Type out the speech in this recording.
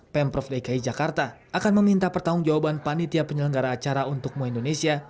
pemprov dki jakarta akan meminta pertanggung jawaban panitia penyelenggara acara untukmu indonesia